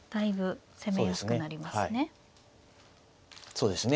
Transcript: そうですね。